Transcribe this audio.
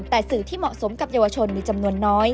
แต่สื่อที่เหมาะสมกับเยาวชนมีจำนวนน้อย